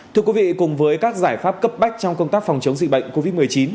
thưa quý vị cùng với các giải pháp cấp bách trong công tác phòng chống dịch bệnh covid một mươi chín